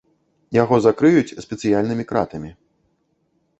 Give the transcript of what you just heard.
Яго закрыюць спецыяльнымі кратамі.